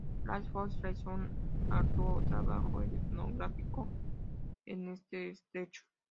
Franz Boas realizó un arduo trabajo etnográfico en este estrecho.